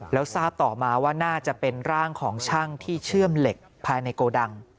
แล้วทราบต่อมาว่าน่าจะเป็นร่างของช่างที่เชื่อมเหล็กภายในโกดัง